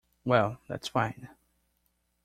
Well, that's fine.